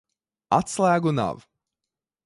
Atslēgu nav.